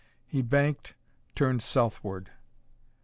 He banked, turned southward.